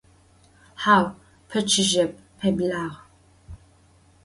Hau peçıjep, peblağ.